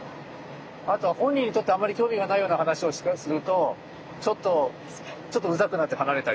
あとは本人にとってあんまり興味がないような話をするとちょっとちょっとうざくなって離れたりとか。